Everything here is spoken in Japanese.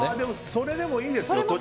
それでもいいですよ。